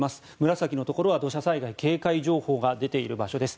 紫のところは土砂災害警戒情報が出ている場所です。